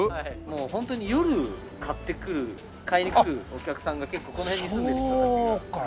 もうホントに夜買っていく買いに来るお客さんが結構この辺に住んでる人たちが。